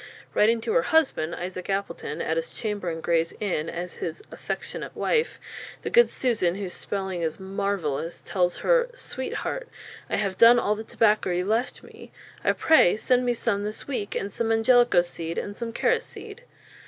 Writing to her husband, Isaac Appleton, at his chamber in Grayes Inn, as his "Afextinat wife," the good Susan, whose spelling is marvellous, tells her "Sweet Hart" "I have done all the tobakcre you left mee; I pray send mee sum this weeke; and some angelleco ceedd and sum cerret sed."